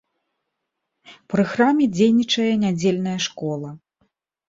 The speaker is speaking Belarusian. Пры храме дзейнічае нядзельная школа.